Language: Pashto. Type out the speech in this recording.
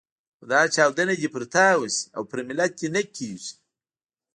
خو دا چاودنه دې پر تا وشي او پر ملت دې نه کېږي.